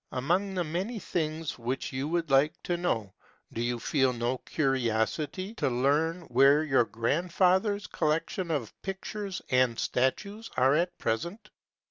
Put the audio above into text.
Amoug the many things which you would like to know, do you feel no curiosity to learn where your grandfather's collection of MEISTER'S APPRENTICESHIP. 433 pictures and statues are at present?